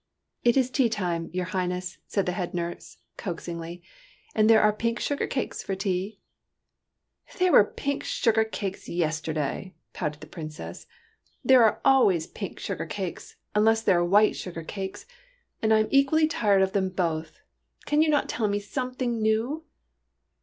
" It is tea time, your Highness," said the head nurse, coaxingly, " and there are pink sugar cakes for tea !"*' There were pink sugar cakes yesterday," pouted the Princess. '' There are always pink I04 TEARS OF PRINCESS PRUNELLA sugar cakes unless there are white sugar cakes, and I am equally tired of them both. Can you not tell me something new?"